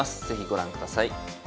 是非ご覧ください。